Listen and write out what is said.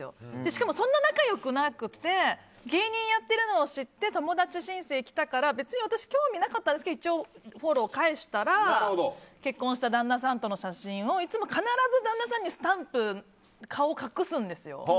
しかも、そんな仲良くなくて芸人やってるのを知って友達申請、来たから別に私、興味なかったんですけどフォローを返したら結婚した旦那さんとの写真をいつも必ずスタンプで顔を隠すんです。